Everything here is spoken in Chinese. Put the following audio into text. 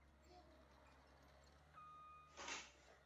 晚上在球会设在圣塞瓦斯蒂安的总部进行训练。